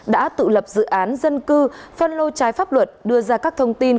đã tự lập dự án dân cư phân lô trái pháp luật đưa ra các thông tin